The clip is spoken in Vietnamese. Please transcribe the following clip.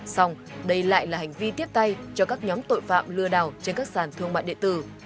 xong đây lại là hành vi tiếp tay cho các nhóm tội phạm lừa đào trên các sàn thương mại điện tử